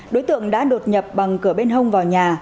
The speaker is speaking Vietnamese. đối tượng đã đột nhập bằng cửa bên hông vào nhà